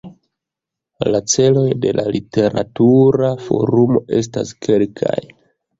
La celoj de la Literatura Forumo estas kelkaj.